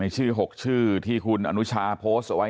ในชื่อหกชื่อที่คุณอนุชาโพสต์ไว้เนี่ย